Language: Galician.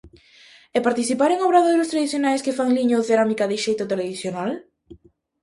E participar en obradoiros tradicionais que fan liño ou cerámica de xeito tradicional?